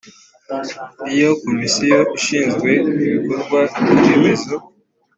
iyo komisiyo ishinzwe ibikorwa remezo